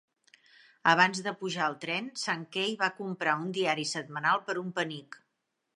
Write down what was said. Abans de pujar al tren, Sankey va comprar un diari setmanal per un penic.